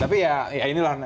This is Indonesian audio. tapi ya inilah